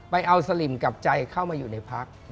ไปเอาสลิมกับใจเข้ามาอยู่ในพัก